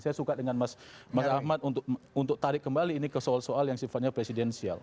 saya suka dengan mas ahmad untuk tarik kembali ini ke soal soal yang sifatnya presidensial